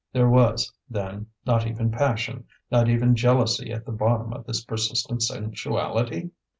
There was, then, not even passion, not even jealousy at the bottom of this persistent sensuality?